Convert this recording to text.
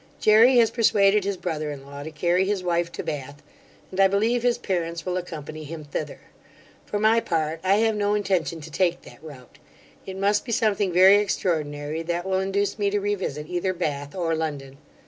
Jery has persuaded his brother in law to carry his wife to Bath; and I believe his parents will accompany him thither. For my part, I have no intention to take that route. It must be something very extraordinary that will induce me to revisit either Bath or London.